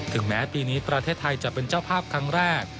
แม้ปีนี้ประเทศไทยจะเป็นเจ้าภาพครั้งแรก